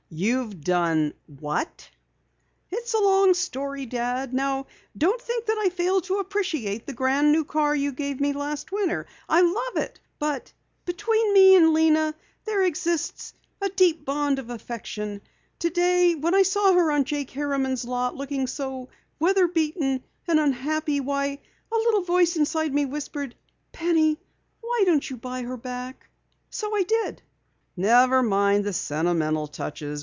"You've done what?" "It's a long story, Dad. Now don't think that I fail to appreciate the grand new car you gave me last winter. I love it. But between Lena and me there exists a deep bond of affection. Today when I saw her on Jake Harriman's lot looking so weather beaten and unhappy why, a little voice inside me whispered: 'Penny, why don't you buy her back?' So I did." "Never mind the sentimental touches.